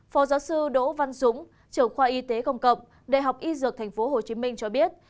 phó giáo sư đỗ văn dũng trưởng khoa y tế công cộng đại học y dược tp hcm cho biết